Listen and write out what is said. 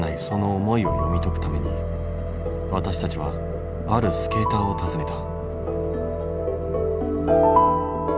その思いを読み解くために私たちはあるスケーターを訪ねた。